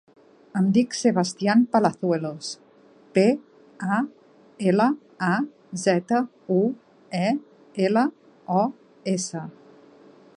Em dic Sebastian Palazuelos: pe, a, ela, a, zeta, u, e, ela, o, essa.